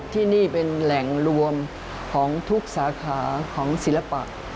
ที่นี่เป็นแหล่งรวมของทุกสาขาของศิลปะ